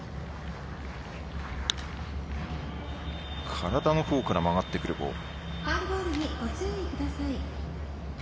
体のほうから回ってくるボール。